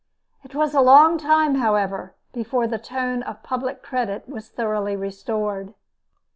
It was a long time, however, before the tone of public credit was thoroughly restored.